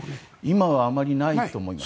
今はあまりないと思います。